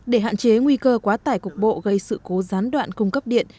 để hạn chế nguy cơ quá tải cục bộ gây sự cố gián đoạn cung cấp điện